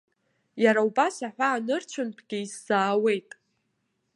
Иара убас аҳәаанырцәынтәгьы исзаауеит.